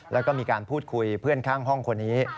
แล้วก็มีการพูดคุยเพื่อนข้างห้องคนนี้